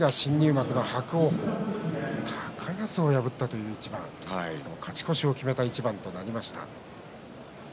右が新入幕の伯桜鵬高安を破った一番、勝ち越しを決めた一番となりました。